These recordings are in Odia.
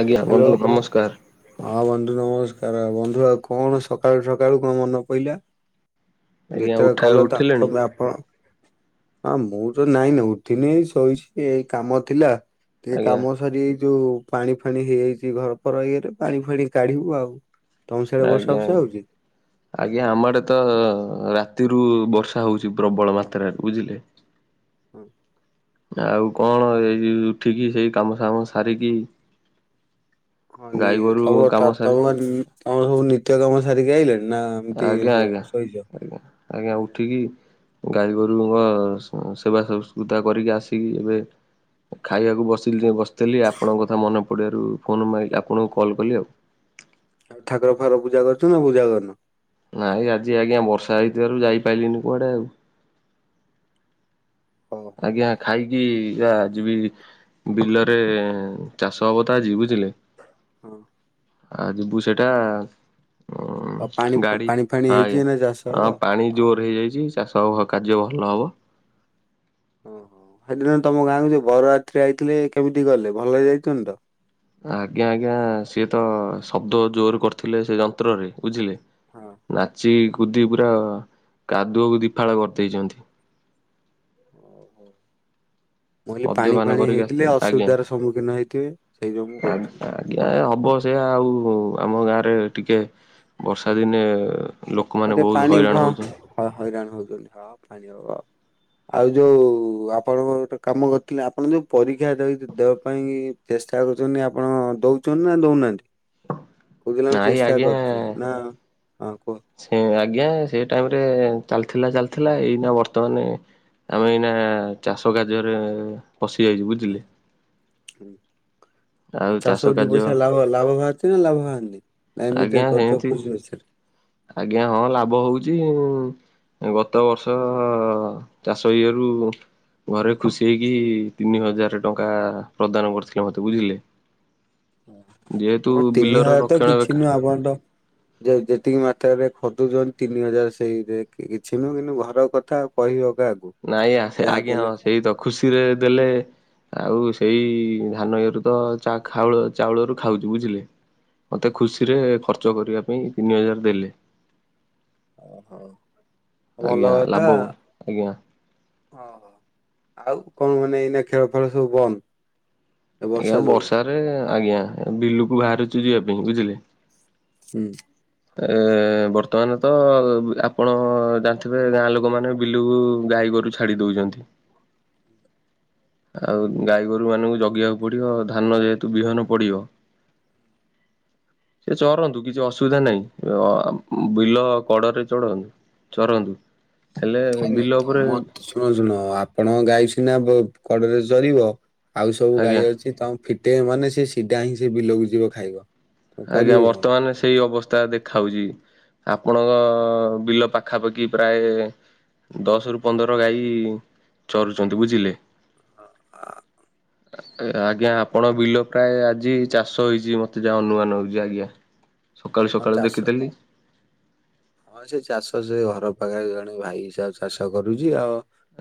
ଆଜ୍ଞା ହ୍ୟାଲୋ। ବନ୍ଧୁ ନମସ୍କାର। ହଁ ବନ୍ଧୁ ନମସ୍କାର। ବନ୍ଧୁ ଆଉ କଣ ସକାଳୁ ସକାଳୁ କଣ ମନ ପଇଲା? ଆଜ୍ଞା ଯେତେବେଳେ ଉଠା କଲେ ତ ଆପ ଉଠିଲେଣି ତମେ ଆପଣ ହଁ ମୁଁ ତ ନାଇଁ ନ ଉଠିନି ଶୋଇଛି ଏଇ କାମ ଥିଲା ଟିକେ ଆଜ୍ଞା କାମ ସରିଯାଇ ଯୋଉ ପାଣି ଫାଣି ହେଇଯାଇଚି ଘର ଫର ଇଏରେ ପାଣି ଫାଣି କାଢିବୁ ଆଉ। ତମ ସିଆଡେ ବର୍ଷା ଆଜ୍ଞା ଫର୍ଷା ଆଜ୍ଞା। ହଉଛି? ଆଜ୍ଞା ଆମ ଆଡେ ତ ରାତିରୁ ବର୍ଷା ହଉଛି ପ୍ରବଳ ମାତ୍ରାରେ ବୁଝିଲେ? ହୁଁ। ଆଉ କଣ ଏଇ ଉଠିକି ସେଇ କାମସାମ ସାରିକି ଗାଈ ଖନିର୍ ଗୋରୁ ତମର୍ ତା କାମ ସାରି ତମ ନି ତମର ସବୁ ନିତ୍ୟ କର୍ମ ସାରିକି ଆଇଲଣି? ନା ଏମତି ଆଜ୍ଞା ସବ ଆଜ୍ଞା ଶୋଇଚ? ଆଜ୍ଞା ଆଜ୍ଞା ଉଠିକି ଗାଈ ଗୋରୁଙ୍କ ସ ସେବା ସଂସ୍କୁତା କରିକି ଆସିକି ଏବେ ଖାଇବାକୁ ବସିଲି ବସିଥିଲି ଆପଣଙ୍କ କଥା ମନେ ପଡିବାରୁ ଫୋନ ମାଇ ଆପଣଙ୍କୁ କଲ୍ କଲି ଆଉ। ଆଉ ଠାକୁର ଫାକୁର ପୂଜା କରୁଚ ନା ପୂଜା କରୁନ? ନାଇଁ ଆଜି ଆଜ୍ଞା ବର୍ଷା ହେଇଥିବାରୁ ଯାଇପାଇଲିିନି କୁଆଡେ ଆଉ। ଓହୋ ଆଜ୍ଞା ଖାଇକି ଆ ଯିବି ବିଲରେ ଚାଷ ହବ ତ ଆଜି ବୁଝିଲେ? ହଁ ଆ ଯିବୁ ସେଟା ଉଁ ଆଉ ପାଣି ଗାଡି ପାଣି ଫାଣି ହଁ ହେଇଛି ଆଜ୍ଞା ନା ଚାଷ ହବ? ହଁ ପାଣି ହଁ। ଜୋରେ ହେଇଯାଇଚି ଚାଷ ହବ କାର୍ଯ୍ୟ ଭଲ ହବ। ଓହୋ ହେଦିନ ତମ ଗାଁକୁ ଯୋଉ ବରଯାତ୍ରୀ ଆଇଥିଲେ କେମିତି ଗଲେ ଭଲେରେ ଯାଇଛନ୍ତି ତ? ଆଜ୍ଞା-ଆଜ୍ଞା ସିଏ ତ ଶବ୍ଦ ଜୋର୍ କରିଥିଲେ ସେ ଯନ୍ତ୍ରରେ ବୁଝିଲେ। ହଁ। ନାଚି କୁଦି ପୁରା କାଦୁଅକୁ ଦିଫାଳ କରିଦେଇଚନ୍ତି। ଓ ହ ମୁଁ କହିଲି ପାଣି ମଦ୍ୟପାନ ଫାଣି କରିକି ହେଇଥିଲେ ଆସିଥିଲେ ଆଜ୍ଞା। ଅସୁବିଧାର ସମ୍ମୁଖୀନ ହେଇଥିବେ, ସେଇ ଯୋଗୁ ମୁଁ କହୁଚି। ଆଜ୍ଞା ହବ ସେୟା ଆଉ ଆମ ଗାଁରେ ଟିକେ ବର୍ଷା ଦିନେ ଆଉ ଲୋକମାନେ ଟିକେ ବହୁତ୍ ପାଣି ହଁ ହଇରାଣ ହେଉଚନ୍ତି। ହ ହଇରାଣ ହଉଚନ୍ତି [inaudible] ଆଉ ଯୋଉ ଆପଣଙ୍କ ଗୋଟେ କାମ କରିଥିଲେ ଆପଣ ଯୋଉ ପରୀକ୍ଷା [unintelligible] ଦବା ପାଇଁ ଚେଷ୍ଟା କରୁଚନ୍ତି ଆପଣ ଦଉଚନ୍ତି ନା ଦଉନାହାନ୍ତି? କୋଉଦିନ ଆମେ ନାଇଁ ଚେଷ୍ଟା ଆଜ୍ଞା କରୁଚୁ, ନାଁ ହଁ କୁହ। ସେ ଆଜ୍ଞା ସେ ଟାଇମ୍ ରେ ଚାଲିଥିଲା-ଚାଲିଥିଲା ଏଇନା ବର୍ତ୍ତମାନେ ଆମେ ଏଇନା ଚାଷ କାର୍ଯ୍ୟରେ ପଶିଯାଇଚୁ ବୁଝିଲେ। ଆଉ ଚାଷ ଚାଷରୁ ଦିଇ କାର୍ଯ୍ୟ ପଇସା ଲାଭ-ଲାଭ ଭାରଚି ନା ଲାଭ ଭାରନି? ନା ଆଜ୍ଞା ଏମିତିଆ କରୁଚ ସେମିତି [unintelligible] ଆଜ୍ଞା ହଁ ଲାଭ ହଉଚି [unintelligible] ଗତ ବର୍ଷ ଚାଷ ଇଏରୁୁ ଘରେ ଖୁସି ହେଇକି ତିନି ହଜାରେ ଟଙ୍କା ପ୍ରଦାନ କରିଥିଲେ ମତେ ବୁଝିଲେ। ଯେହେତୁ [unintelligible] ତିନି ବିଲର ହଜାର ତ ରକ୍ଷଣାବେକ୍ଷଣ କିଛି ନୁହଁ ଆପଣ ତ ଯେ ଯେତିକି ମାତ୍ରାରେ ଖୋଜୁଚନ୍ତି ତିନି ହଜାରେ ସେଇରେ କିଛି ନୁହଁ କିନ୍ତୁ ଘର କଥା ଆଉ। କହିବ କାହାକୁ। ନାଇଁ ଯାହା ଆଜ୍ଞା ହଁ ଦେଲେ ସେଇ ତ ଖୁସିରେ ଦେଲେ। ଆଉ ସେଇ ଧାନ ଇଏରୁ ତ ଚା ଖାଉଳ ଚାଉଳ ରୁ ଖାଉଚୁ ବୁଝିଲେ। ମତେ ଖୁସିରେ ଖର୍ଚ୍ଚ କରିବା ପାଇଁ ତିନି ହଜାରେ ଦେଲେ। ଭଲ ଆଜ୍ଞା ଲାଭ କଥା। ଆଜ୍ଞା ଆଉ କଣ ମାନେ ଏଇନା ଖେଳ ଫେଳ ସବୁ ବନ୍ଦ? ଏ ଆଜ୍ଞା, ବର୍ଷା ଯୋଗୁ? ବର୍ଷାରେ ଆଜ୍ଞା ବିଲୁକୁ ବାହାରୁଚୁ ଯିବା ପାଇଁ ବୁଝିଲେ। ହୁଁ। ଏ ବର୍ତ୍ତମାନ୍ ତ ଆପଣ ଜାଣିଥିବେ ଗାଁ ଲୋକମାନେ ବିଲକୁ ଗାଈ ଗୋରୁ ଛାଡ଼ି ଦଉଚନ୍ତି। ଆଉ ଗାଈ ଗୋରୁ ମାନଙ୍କୁ ଜଗିବାକୁ ପଡିବ, ଧାନ ଯେହେତୁ ବିହନ ପଡିବ [inaudible] ସେ ଚରନ୍ତୁ କିଛି ଅସୁବିଧା ନାହିଁ, ଅ ବିଲ କଡରେ ଚରନ୍ତୁ। ଚରନ୍ତୁ, ହେଲେ ବିଲ ଉପରେ ଶୁଣ-ଶୁଣ ଆପଣଙ୍କ ଗାଈ ସିନା କଡରେ ଚରିବ ଆଉ ସବୁ ଆଜ୍ଞା ଗାଈ ଅଛି ତମ ଫିଟେଇବେ ମାନେ ସେ ସିଧା ହିଁ ସେ ବିଲକୁ ଯିବ ଖାଇବ଼। ଆଜ୍ଞା ବର୍ତ୍ତମାନେ ସେଇ ଅବସ୍ଥା ଦେ ଖାଉଚି ଆପଣଙ୍କ ବିଲ ପାଖାପାଖି ପ୍ରାୟ ଦଶ୍ ରୁ ପନ୍ଦର ଗାଈ ଚରୁଚନ୍ତି ବୁଝିଲେ। ଆ ଆଜ୍ଞା ଆପଣଙ୍କ ବିଲ ପ୍ରାୟ ଆଜି ଚାଷ ହୋଇଚି ମତେ ଯାହା ଅନୁମାନ୍। [unintelligible] ଆଜ୍ଞା। ସକାଳୁ ଆଉ ସକାଳୁ ଚାଷ ଦେଖିଥିଲି ହଁ ସେ ଚାଷ ସେ ଘର ପାଖେରେ ଜଣେ ଭାଇ [unintelligible] ଚାଷ କରୁଚି ଆଉ।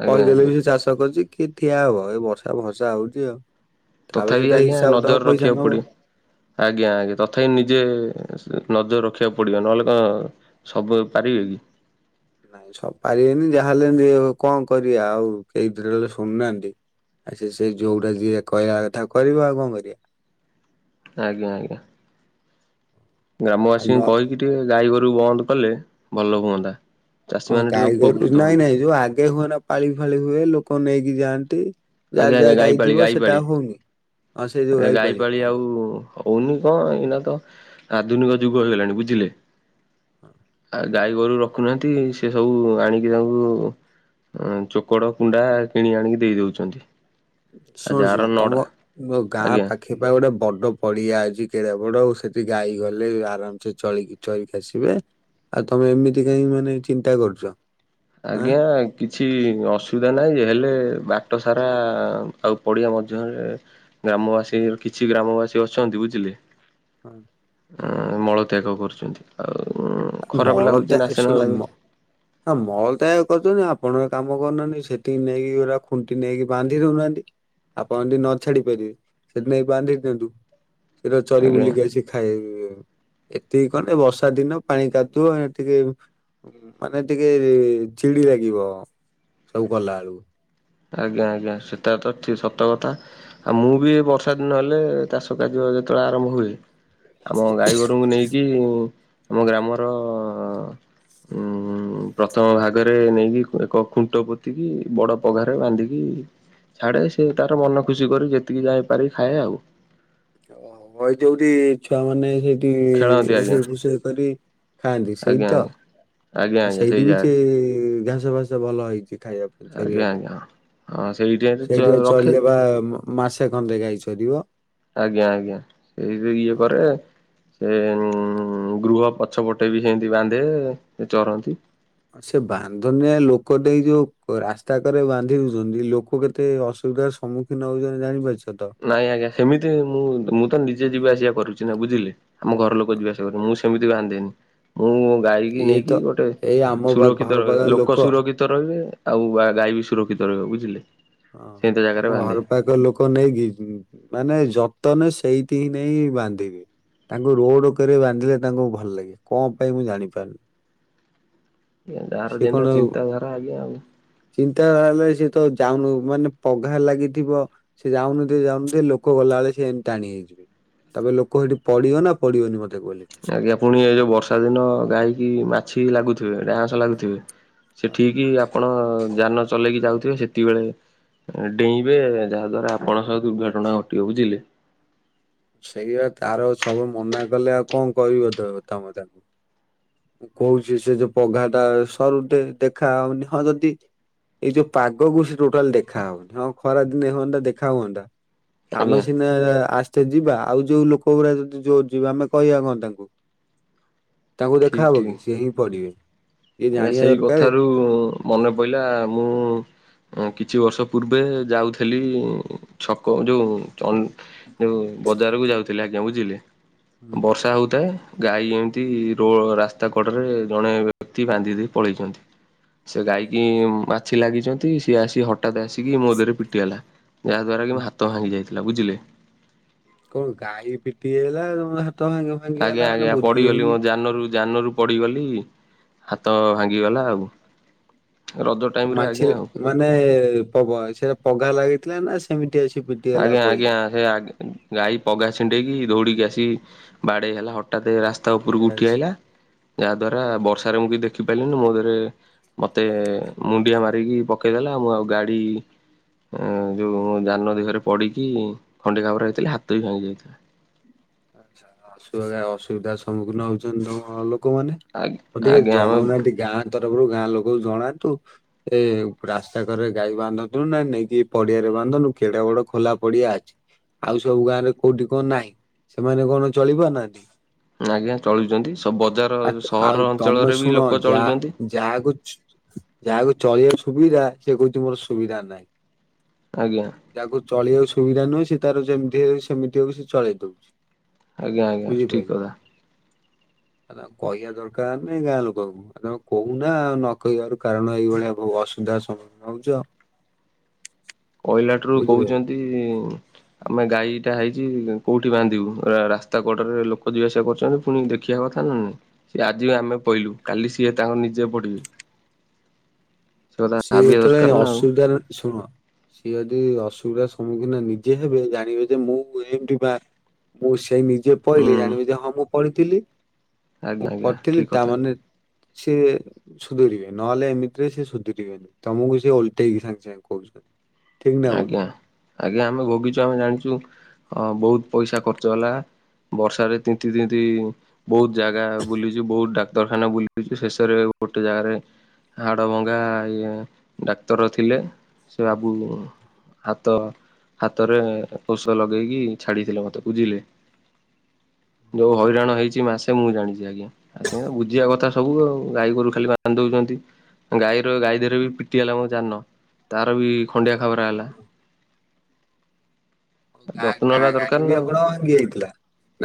ଆଜ୍ଞା କହିଦେଲେ ଆଜ୍ଞା ବି ସେ ଚାଷ କରୁଚି କିଏ ଠିଆ ହବ ଏ ବର୍ଷା ଫର୍ଷା ହଉଚି ଆଉ। ତାପରେ ସେ ତଥାବି ତା ଆଜ୍ଞା ହିସାବ ଦବ ନଜର୍ ପଇସା ରଖିଆକୁ ନବ। ପଡିବ। ଆଜ୍ଞା ଆଜ୍ଞା, ତଥାପି ନିଜେ ନଜର ରଖିବାକୁ ପଡିବ, ନହେଲେ କଣ ସବୁ ଏବେ ପାରିବେ କି? ନାଇଁ ସବୁ ପାରିବେନି, ଯାହାହଲେ କଣ କରିବା ଆଉ କେହିଥିରେ ହେଲେ ଶୁଣୁନାହାନ୍ତି ଆ ସେ ସେ ଯୋଉଟା ଯିଏ କହିବା କଥା କରିବ ଆଉ କଣ କରିବା? ଆଜ୍ଞା ଆଜ୍ଞା, ଆଉ ନ ଗ୍ରାମବାସୀଙ୍କୁ କହିକି ଟିକେ ଗାଈ ଗୋରୁକୁ ବନ୍ଦ କଲେ, ଭଲ ହୁଅନ୍ତା। ହଁ, ଚାଷୀମାନେ ଟିକେ ଗାଈଗର ଉପକୃତ ନାଇଁ ହୁଅନ୍ତେ ନାଇଁ, ଯୋଉ ଆଗେ ହୁଏ ନା ପାଳି ଫାଳି ହୁଏ, ଲୋକ ନେଇକି ଯାଆନ୍ତି। ଆଜ୍ଞା ଯାହା ଆଜ୍ଞା ଯାହା ଗାଈପାଳି ଗାଈଥିବ ଗାଈପାଳି ସେଟାହା ହଉନି, ହଁ ସେଇ ଯୋଉ ଆଜ୍ଞା ଗାଈ ପାଳି ଗାଈପାଳି ଆ। ଆଉ ହଉନି କଣ, ଏଇନା ତ, ଆଧୁନିକ ଯୁଗ ହେଇଗଲାଣି ବୁଝିଲେ? ହଁ। ଆ ଗାଈ ଗୋରୁ ରଖୁନାହାନ୍ତି, ସେ ସବୁ ଆଣିକି ତାଙ୍କୁ ଚୋକଡ଼ କୁଣ୍ଡା କିଣି ଆଣିକି ଦେଇ ଦଉଚନ୍ତି। ଶୁଣ ଶୁଣ, ତମ ଗାଁ ଆଜ୍ଞା। ପାଖେ ହେଇପା ଗୋଟେ ବଡ ପଡିଆ ଅଛି କେଡ ବଡ ଆଉ, ସେଠି ଗାଈ ଗଲେ ଆରାମସେ ଚଳିକି ଚରିକି ଆସିବେ। ଆଉ ତମେ ଏମିତି କାହିଁ ମାନେ ଚିନ୍ତା କରୁଚ? ଆଜ୍ଞା। କିଛି ଅସୁବିଧା ନାହିଁ ଯେ, ହେଲେ ବାଟ ସାରା ଆଉ ପଡ଼ିଆ ମଧ୍ୟରେ ଗ୍ରାମବାସୀଙ୍କର, କିଛି ଗ୍ରାମବାସୀ ଅଛନ୍ତି ବୁଝିଲେ ହଁ। ଅ ମଳତ୍ୟାଗ କରୁଚନ୍ତି, ଆଉ ଖରାପ ମଳତ୍ୟା ଲାଗୁଚି, ଶୁଣ ନାସନା ମ ଲାଗୁଚି। ହଁ ମଳ ତ୍ୟାଗ କରୁଚନ୍ତି, ଆପଣଙ୍କ କାମ କରୁନାହାନ୍ତି ସେଠିକି ନେଇକି ଗୁରା ଖୁଣ୍ଟି ନେଇକି ବାନ୍ଧି ଦଉନାହାନ୍ତି? ଆପଣ ଯଦି ନ ଛାଡି ପାରିବେ, ସେଦି ନେଇ ବାନ୍ଧି ଦିଅନ୍ତୁ। ସେଟା ଚରି ଆଜ୍ଞା ବୁଲିକି ଆସି ଖାଇ, ଏତିକି କଲେ ଏ ବର୍ଷା ଦିନ ପାଣି କାଦୁଅ ଟିକେ ମାନେ ଟିକେ ଚିଡି ଲାଗିବ, ସବୁ କଲା ବେଳକୁ। ଆଜ୍ଞା ଆଜ୍ଞା, ସେଟା ତ ଠ ସତ କଥା। ଆଉ ମୁଁ ବି ଏ ବର୍ଷା ଦିନ ହେଲେ, ଚାଷ କାର୍ଯ୍ୟ ଯେତେବେଳେ ଆରମ୍ଭ ହୁଏ ଆମ ଗାଈ ଗୋରୁଙ୍କୁ ନେଇକି, ଆମ ଗ୍ରାମର ଉଁ ପ୍ରଥମ ଭାଗରେ ନେଇକି, ଏକ ଖୁଣ୍ଟ ପୋତିକି ବଡ ପଘାରେ ବାନ୍ଧିକି ଛାଡ଼େ, ସେ ତାର ମନ ଖୁସି କରି ଯେତିକି ଯାଇପାରି ଖାଏ ଆଉ। ଓ ଭ ଯଉଠି ଛୁଆ ମାନେ ସେଇଠି ଖେଳନ୍ତି ଆଜ୍ଞା ରୋଷେଇ ଫୋଷେଇ କରି ଖାଆନ୍ତି, ସେଇ ଆଜ୍ଞା ତ? ଆଜ୍ଞା ଆଜ୍ଞା ଆଉ ଆଜ୍ଞା ସେଇ ସେଇଥି ବି ସେ ଜାଗାରେ ଘାସ ଫାସ ଭଲ ହେଇଚି, ଖାଇବା ପାଇଁ, ଆଜ୍ଞା ଚରିବା ପାଇଁ। ଆଜ୍ଞା ହଁ। ହଁ ସେଇଠି ସେଇଥି ପା ରଖେ ଚରିଲେ ପା, ମାସେ ଖନ୍ଦେ ଗାଈ ଚରିବ? ଆଜ୍ଞା ଆଜ୍ଞା, ସେଇ ଯୋଉ ଇଏ ହଁ। କରେ ସେ ଉଁ ଗୃହ ପଛ ପଟେ ବି ସେମିତି ବାନ୍ଧେ, ସେ ଚରନ୍ତି। ସେ ବାନ୍ଧନିଆ ଲୋକଟେଇ ଯୋଉ ରାସ୍ତା କରେ ବାନ୍ଧି ଦଉଚନ୍ତି, ଲୋକ କେତେ ଅସୁବିଧା ସ ସମ୍ମୁଖୀନ ହୋଉଚନ୍ତି ଜାଣିପାରୁଚ ତ? ନାଇଁ ଆଜ୍ଞା, ସେମିତି ମୁଁ ମୁଁ ତ ନିଜେ ଯିବା ଆସିବା କରୁଚି ନା ବୁଝିଲେ, ଆମ ଘର ଲୋକ ହଁ ଯିବା ଆ ଯିବା, ମୁଁ ସେମିତି ବାନ୍ଧେନି, ମୁଁ ଗାଈକି ଇଏ ତ ନେଇକି ଗୋଟେ ଏଇ ଆମ ବା ଘର ସୁରକ୍ଷିତ ରହେ, ପାଖ ଲୋକ ସୁରକ୍ଷି ତ ରହିବେ, ଆଉ ବା ଗାଈ ବି ସୁରକ୍ଷିତ ରହିବ, ବୁଝିଲେ? ହଁ, ସେମିତି ଜାଗାରେ ଆମ ବାନ୍ଧେ ଘରପଖ ଲୋକ କ ନେଇିକି, ମାନେ ଯତନେ ସେଇଥି ହିଁ ନେଇ ବାନ୍ଧିବେ। ତାଙ୍କୁ ରୋଡ କରେ ବାନ୍ଧିଲେ ତାଙ୍କୁ ଭଲ ଲାଗେ, କଣ ପାଇଁ ମୁଁ ଜାଣିପାରୁନି? ଆଜ୍ଞା ଜାର ଜେନ୍ତା ଚିନ୍ତାଧାରା ଆଜ୍ଞା ଆଉ ଚିନ୍ତାଧାହେଲେ ସିଏ ତ ଯାଉନୁ ମାନେ ପଘା ଲାଗିଥିବ ସେ ଯାଉନଥିବେ ଯାଉନଥିବେ ଲୋକ ଗଲାବେଳେ ସେ ଟାଣି ହେଇଯିବେ। ତାପ ଲୋକ ହେଇଠି ପଡିବ ନା ପଡିବନି ମତେ କହିଲେ। ଆଜ୍ଞା ପୁଣି ଏ ଯୋଉ ବର୍ଷା ଦିନ ଗାଈକି ମାଛି ଲାଗୁଥିବେ ଡାଁସ ଲାଗୁଥିବେ। ସେ ହଁ। ଠିକିି ଆପଣ ଯାନ ଚଲେଇକି ଯାଉଥିବେ ସେତି ବେଳେ ଡେଇଁବେ ଯାହା ଦ୍ଵାରା ଆପଣ ସହ ଦୁର୍ଘଟଣା ଘଟିବ ବୁଝିଲେ? ସେଇଆ ତାର ସବୁ ମନା କଲେ ଆଉ କଁ କହିବ ତବେ ତମେ ତାକୁ। ମୁଁ କହୁଚି ସେ ଯୋଉ ପଘା ଟା ସରୁଟେ ଦେଖା ଅଉନି ହଁ ଯଦି ଏଇ ଯୋଉ ପାଗକୁ ସେ ଟୋଟାଲ୍ ଦେଖା ହଉନି ହଁ ଖରା ଦିନେ ହୁଅନ୍ତା ଦେଖା ହୁଅନ୍ତା ଆମେ ଆଜ୍ଞା ସିନା ଆସ୍ତେ ଯିବା ଆଉ ଯୋଉ ଲୋକ ଗୁରା ଯଦି ଜୋରେ ଯିବେ ଆମେ କହିବା କଣ ତାଙ୍କୁ ତାଙ୍କୁ ଦେଖାହବ କି ସିଏ ହିଁ ପଡିବେ। ଇଏ ଏ ଜାଣିବା ସେଇ ଦରକାର କଥାରୁ ମନେ ପଇଲା ମୁଁ ଅଁ କିଛି ବର୍ଷ ପୂର୍ବେ ଯାଉଥେଲି ଛକ ଯୋଉ ଚନ୍ ଯୋ ବଜାରକୁ ଯାଉଥିଲି ଆଜ୍ଞା ବୁଝିଲେ? ହୁଁ ବର୍ଷା ହଉଥାଏ ଗାଈ ଏମ୍ ତି ରୋ ରାସ୍ତା କଡରେ ଜଣେ ବେ କ୍ତି ବାନ୍ଧି ଦେଇ ପଳେଇଛନ୍ତି ସେ ଗାଈକି ମା ଛି ଲାଗିଛନ୍ତି ସିଏ ଆସି ହଠାତ୍ ଆସିକି ମୋ ଦେରେ ପିଟି ହେଲା ଯାହାଦ୍ଵାରା କି ହୁଁ। ମୋ ହା ତ ଭାଙ୍ଗି ଯାଇଥିଲା ବୁଝିଲେ କଣ ଗାଈ ପିଟି ହେଇଗଲା ତମ ହାତ ଭାଙ୍ଗ ଆଜ୍ଞା ଆଜ୍ଞା ପଡିଗଲି ମୋ ଯାନରୁ ଯାନରୁ ପଡିଗଲି ହାତ ଭାଙ୍ଗିଗଲା ଆଉ। ଟାଇମ ରେ ଆଜ୍ଞା ମାଛିରେ ଆଉ। ମାନେ ପଗ ସେ ପଘା ଲାଗିଥିଲା ନା ସେମିତି ଆସି ପି ଆଜ୍ଞା ଆଜ୍ଞା। ସେ ଆଗେ ଗାଈ ପଘା ଛିଣ୍ଡେଇକି ଦୌଡିକି ଆସି ବାଡେଇ ହେଲା ହଟାତେ ରାସ୍ ତା ଉପୁରୁକୁ ଉଠି ଆଚ୍ଛା ଆଇଲା ଯାହା ଦ୍ଵାରା ବର୍ଷାରେ ମୁଁ କି ଦେଖି ପାଇଲିନି ମୋ ଦେରେ ମତେ ମୁଣ୍ଡିଆ ମାରିକି ପକେଇଦେଲା ଆଉ ମୁଁ ଆଉ ଗାଡି ଏଁ ଯୋଉ ଯାନ ଦେହରେ ପଡିକି ଖଣ୍ଡିଆ ଖାବରା ହେଇଥିଲି ହାତ ବି ଭାଙ୍ଗି ଯାଇଥିଲା। ଆଚ୍ଛା ଅସୁବଗା ଅସୁବିଧା ସମ୍ମୁଖୀନ ହଉଛନ୍ତି ହଁ ଲୋକମାନେ। ଆଜ୍ଞା ଆଉ ଟିକେ ଆଜ୍ଞା ଆମେ ଜଣଉନାହାନ୍ତି ଗାଁ ତରଫରୁ ଗାଁ ଲୋକ ଜଣାନ୍ତୁ ରେ ରାସ୍ତା କରରେ ଗାଈ ବାନ୍ଧନ୍ତୁ ନା ନେଇକି ପଡିଆରେ ବାନ୍ଧନ୍ତୁ କେଡେ ବଡ ଖୋଲା ପଡିଆ ଅଛି। ଆଉ ସବୁ ଗାଁରେ କୋଉଠି କଁ ନାହିଁ ସେମାନେ କଣ ଚଳି ପାରୁନାହାନ୍ତି ଆଜ୍ଞା ଚଳୁଚନ୍ତି ସ ବଜାର ଆ ଆଉ ସହର ତମେ ଅଞ୍ଚଳରେ ଶୁଣ ବି ଲୋକ ଯା ଚଳୁଚନ୍ତି। ଯାହାକୁ ଛ ଯାହାକୁ ଚଳି ସୁବିଧା ସେ କହୁଛି ମୋର ସୁବିଧା ନାଇଁ। ଆଜ୍ଞା। ଯାକୁ ଚଳେବାକୁ ସୁବିଧା ନୁହଁ ସେ ତାର ଯେମିତି ହେଉ ସେମିତି ହଉ ସେ ଚଳେଇ ଦଉଚି। ଆଜ୍ଞା ଆଜ୍ଞା ଠିକ୍ କଥା। ହେରା କଇଆ ଦରକାର୍ ନାଇଁ ଗାଁ ଲୋକଙ୍କୁ। ଆ ତମ କହୁନା ନ କହିବାରୁ କାରଣ ଏଇ ଭଳିଆ ବହୁ ଅସୁବିଧା ସମ୍ମୁଖୀନ ହଉଛ। କହିଲା ଠାରୁ ବୁଝିପାରିଲେ। କହୁଛନ୍ତି ଆମେ ଗାଈଟା ହେଇଛି କୋଉଠି ବାନ୍ଧିବୁ ରା ରାସ୍ତା କଡରେ ଲୋକ ଯିବା ଆସିବା କରୁଛନ୍ତି ପୁଣି ଦେଖିଆ କଥା ନ ନଁ ସିଏ ଆଜି ଆମେ ପଇଲୁ କାଲି ସିଏ ତାଙ୍କ ନିଜେ ପଡିବେ। ସେ କଥା ସିଏ ଭାବିବା ଯେତେ ଦରକାର ଯାଏଁ ନା ଆଉ ଅସୁବିଧା ରେ ଶୁଣ ସିଏ ଯଦି ଅସୁବିଧା ସମ୍ମୁଖୀନ ନିଜେ ହେବେ ଜାଣିବେ ଯେ ମୁଁ କୁ ଏମତି ବା ମୁଁ ସେଇ ନିଜେ ହୁଁ ପଢିଲି ଜାଣିବି ଯେ ହଁ ମୁଁ ପଢିଥିଲି ଆଜ୍ଞା ମୁଁ ଆଜ୍ଞା ପଢିଥିଲି ଠିକ କଥା। ତାମାନେ ସେ ସୁଧୁରିବେ ନହେଲେ ଏମିତିରେ ସେ ସୁଧରି ତମକୁ ସେ ଓଲଟେଇକି ସାଙ୍ଗେ ସାଙ୍ଗେ କହୁଛନ୍ତି। ଠିକ ନା ଭୁଲ ଆଜ୍ଞା ଆଜ୍ଞା ଆମେ ଭୋଗିଛୁ ଆମେ ଜାଣିଛୁ ହଁ ବହୁତ ପଇସା ଖର୍ଚ୍ଚ ହେଲା। ବର୍ଷା ରେ ତିନ୍ତି ତିନ୍ତି ବହୁତ ଜାଗା ବୁଲିଛୁ ବହୁତ ଡାକ୍ତରଖାନା ବୁଲିଛୁ ଶେଷରେ ଗୋଟେ ଜାଗାରେ ହାଡ଼ଭଙ୍ଗା ଏ ଡାକ୍ତର ଥିଲେ ସେ ବାବୁ ହାତ ହାତରେ ପୋଷ ଲଗେଇକି ଛାଡିଥିଲେ ମତେ ବୁଝିଲେ। ଯୋଉ ହଇରାଣ ହେଇଛି ମାସେ ମୁଁ ଜାଣିଛି ଆଜ୍ଞା। ଆ ସେ ବୁଝିବା କଥା ସବୁ ଆଉ ଗାଈ ଗୋରୁ ଖାଲି ବାପା ବାନ୍ଧି ଦେଉଛନ୍ତି। ଗାଈର ଗାଈ ଦେହରେ ବି ପିଟି ହେଲା ମୁଁ ଜାନ ତାର ବି ଖଣ୍ଡିଆ ଖାବରା ହେଲା। ଆଉ ଯତ୍ନ ଗା ନେବା ଗା ଦରକାର ଗାଡି ନା ବି ଆଉ। ଆପଣ ଭାଙ୍ଗି ଯାଇଥିଲା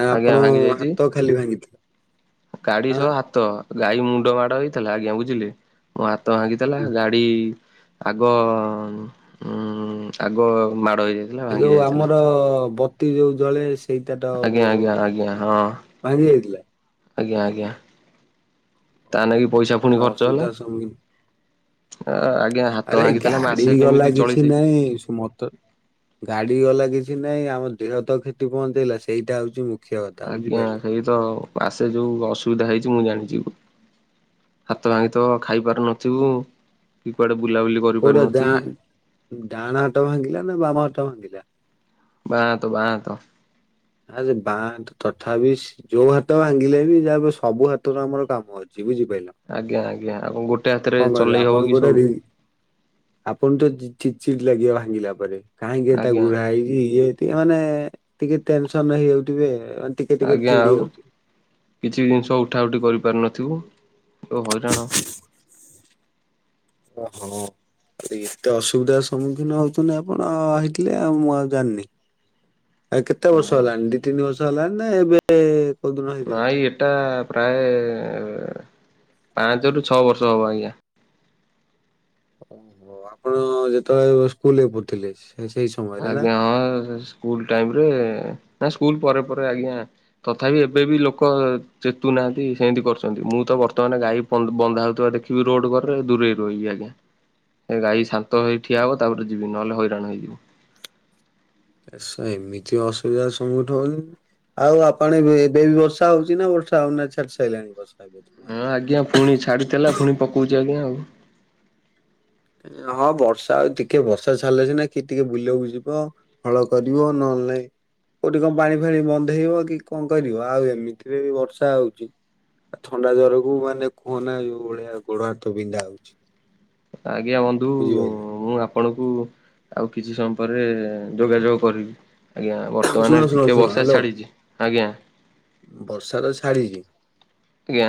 ନା ଆଜ୍ଞା ଆପଣ ଭାଙ୍ଗି ଯାଇଛି ହାତ ଖାଲି ଭାଙ୍ଗିଥିଲା। ଗାଡି ଆଁ ସହ ହାତ ଗାଈ ମୁଣ୍ଡ ମାଡ ହେଇଥିଲା ଆଜ୍ଞା ବୁଝିଲେ ମୋ ହାତ ଭାଙ୍ଗିଥିଲା ହୁଁ ଗାଡି ଇ ଆଗ ଉ ଆଗ ମାଡ ହେଇଯାଇ ଏ ଯୋଉ ଆମର ବତି ଯୋଉ ଜଳେ ସେଇଟା ଟ ଆଜ୍ଞା ଆଜ୍ଞା ଆଜ୍ଞା ହଁ ଭାଙ୍ଗି ଯାଇଥିଲା। ଆଜ୍ଞା ଆଜ୍ଞା। ତା ନାଗି ପଇସା ହଁ ପୁଣି ତାହେଲେ ଖର୍ଚ୍ଚ ଅସୁବିଧା ହେଲା। ସମ୍ମୁଖୀନ ହଁ ଆଜ୍ଞା ହାତ ଆରେ ଭାଙ୍ଗିଥିଲା ମାସେ ଗାଡି କେମିତି ଗଲା କିଛି ଚଳିଛି। ନାଇଁ ସୁ ମତ ଗାଡି ଗଲା କିଛି ନହିଁ ଆମ ଦେହ ତ କ୍ଷତି ପହଞ୍ଚେଇଲା ସେଇଟା ହଉଛି ମୁ ଆଜ୍ଞା ସେଇ ତ ଆସେ ଯୋଉ ଅସୁବିଧା ହେଇଛି ମୁଁ ଜାଣିଛି। ହାତ ଭାଙ୍ଗିଥିବ ଖାଇ ପାରୁ ନଥିବୁ କି କୁଆଡେ ବୁଲାବୁଲି କୋଉଟାା ଡ଼ା କରିପାରୁନଥିବୁ ଡାଆଣା ହାତକଭାଙ୍ଗିଲା ନା ବାମ ହାଟ ଭାଙ୍ଗିଲା। ବାଁ ହାତ ବାଁ ହାତ। ଆଁ ସେ ବା ତଥାପି ଯୋଉ ହାତ ଭାଙ୍ଗିଲେ ବି ଯାହା ସବୁ ହାତର ଆମର କାମ ଅଛି। ସେ ବୁଝିପାଇଲ। ଆଜ୍ଞା ଆଜ୍ଞା ଆଉ କଣ ଗୋଟେ ହାତ ରେ ଚଲେଇ ହବ ଆପଣଙ୍କୁ କି ଗୋଟେ ସବୁ। ରି ଆପଣ ତ ଚିଟ ଚିଟ୍ ଲାଗିବ ଭାଙ୍ଗିଲା ପରେ କାହିଁକି ତା ଆଜ୍ଞା ଗୁଢା ହେଇଛି ଇଏ। କିଏ ମାନେ ଟିକେ ଟେନସନ ହେଇଯାଉଥିବେ ଅନ ଆଜ୍ଞା ଆଉ କିଛି ଜିନିଷ ଉଠା ଉଠି କରିପାରିନଥିବୁ ଯୋଉ ହଇରାଣ। ଓହୋ। ଆ ଏତେ ଅସୁବିଧାର ସମ୍ମୁଖୀନ ହଉଛନ୍ତିନି ଆପଣ ହେଇଥିଲେ ଆଉ ମୁଁ ଆଉ ଜାଣିନି। ଆ କେତେ ବର୍ଷ ହେଲାଣି ଦି ତିନି ବର୍ଷ ହେଲାଣି ନା ଏବେ କୋଉଦିନ ହେଇଥିଲା। ନାଇଁ ଏଟା। ପ୍ରାୟ ପାଞ୍ଚରୁ ଛଅ ବର୍ଷ ହବ ଆଜ୍ଞା। ଓହୋ ଆପଣ ଯେତେବେଳେ ସ୍କୁଲ ପଢ଼ୁଥିଲେ ସେଇ ସ ଆଜ୍ଞା ହଁ ସେ ସ୍କୁଲ ଟାଇମରେ ନା ସ୍କୁଲ ପରେ ପରେ ଆଜ୍ଞା। ତଥାପି ଏବେ ବି ଲୋକ ଚେତୁନାହାନ୍ତି ସେମିତି କରୁଛନ୍ତି ମୁଁ ତ ବର୍ତ୍ତମାନ ଗାଈ ବନ୍ ବନ୍ଧା ହଉଥିବା ଦେଖିବି ରୋଡ ଘରେ ଦୂରେଇ ରହିବି ଆଜ୍ଞା। ଏ ଗାଈ ଶାନ୍ତ ହେଇ ଠିଆ ହବ ତାପରେ ଯିବି ନହେଲେ ହଇରାଣ ହେଇଯିବୁ। ସ ଏମିତି ଅସୁବିଧା ସମ୍ମୁଖଠୀନ ହଉନ। ଆଉ ଆପଣ ଏବେ ବି ବର୍ଷା ହଉଛି ନା ବର୍ଷା ହଉନାଇ ଛାଡ଼ି ସାରିଲାଣି ବର୍ଷା ଏବେ। ହଁ ଆଡେ? ଆଜ୍ଞା ଫୁଣି ଛାଡିଥିଲା ଫୁଣି ପକଉଛି ଆଜ୍ଞା ଆଉ। ହଁ ବର୍ଷା ଆଉ ତିକେ ବର୍ଷା ଛାଡ଼ିଲେ ନା କିଏ ଟିକେ ବିଲ କୁ ଯିବ। ହଳ କରିବ ନହେଲେ ନାଇ କୋଉଠି କଣ ପାଣି ଫାଣି ବନ୍ଧେଇବ କି କଣ କରିବ ଆଉ ଏମିତିରେ ବି ବର୍ଷା ହଉଛି। ଥଣ୍ଡା ଜ୍ୱରକୁୁ ମାନେ କୁହନା ଯୋଉ ଭଳିଆ ଗୋଡ ହାତ ବିନ୍ଧା ହଉଛି। ଆଜ୍ଞା ବନ୍ଦ ବୁଝିପାଇଲେ। ଆପଣଙ୍କୁ ଆଉ କିଛି ସମୟ ପରେ ଯୋଗାଯୋଗ କରିବି। ଆଜ୍ଞା। ଶୁଣ ବର୍ତ୍ତମାନ ଶୁଣ ଟିକେ ଶୁଣ ବର୍ଷା ହ୍ୟାଲୋ ଛାଡ଼ିଛି। ଆଜ୍ଞା। ବର୍ଷା ତ ଛାଡିଛି ଆଜ୍ଞା।